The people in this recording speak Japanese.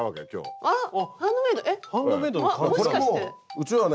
うちのはね